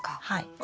はい。